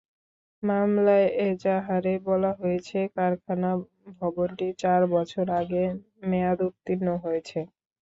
মামলার এজাহারে বলা হয়েছে, কারখানা ভবনটি চার বছর আগে মেয়াদোত্তীর্ণ হয়েছে।